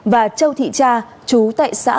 và châu thị cha chú tại xã